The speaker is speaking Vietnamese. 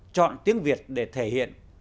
chọn tiếng việt để thể hiện